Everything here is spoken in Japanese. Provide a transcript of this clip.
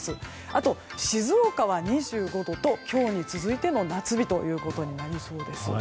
あと静岡は２５度と今日に続いての夏日となりそうです。